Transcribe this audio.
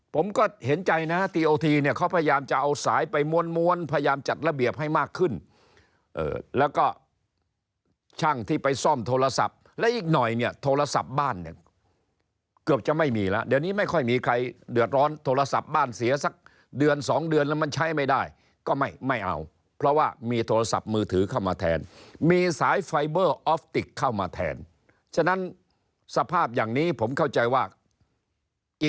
ผมก็เห็นใจนะทีโอทีเนี่ยเขาพยายามจะเอาสายไปมวนพยายามจัดระเบียบให้มากขึ้นแล้วก็ช่างที่ไปซ่อมโทรศัพท์แล้วอีกหน่อยเนี่ยโทรศัพท์บ้านเนี่ยเกือบจะไม่มีแล้วเดี๋ยวนี้ไม่ค่อยมีใครเดือดร้อนโทรศัพท์บ้านเสียสักเดือนสองเดือนแล้วมันใช้ไม่ได้ก็ไม่เอาเพราะว่ามีโทรศัพท์มือถือเข้ามาแทนมี